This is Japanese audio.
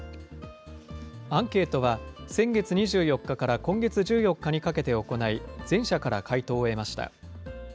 アンケートは、先月２４日から今月１４日にかけて行い、全社から回答を得ました。